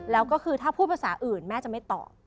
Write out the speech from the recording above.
แล้วก็คือถ้าพูดภาษาอื่นแม่จะไม่ตอบ